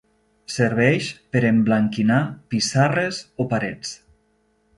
Serveix per emblanquinar pissarres o parets.